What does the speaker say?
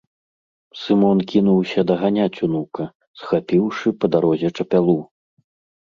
Сымон кінуўся даганяць унука, схапіўшы па дарозе чапялу.